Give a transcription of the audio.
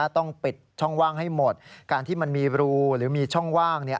ต้องปิดช่องว่างให้หมดการที่มันมีรูหรือมีช่องว่าง